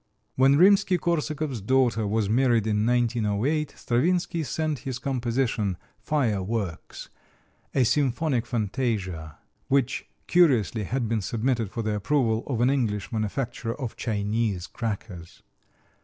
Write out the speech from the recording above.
When Rimsky Korsakov's daughter was married in 1908 Stravinsky sent his composition, "Fire Works," a symphonic fantasia, which, curiously, had been submitted for the approval of an English manufacturer of Chinese crackers.